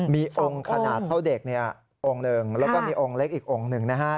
มีองค์ขนาดเท่าเด็กเนี่ยองค์หนึ่งแล้วก็มีองค์เล็กอีกองค์หนึ่งนะฮะ